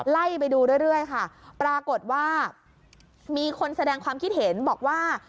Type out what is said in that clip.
ไล่ไปดูเรื่อยค่ะปรากฏว่ามีคนแสดงความคิดเห็นบอกว่า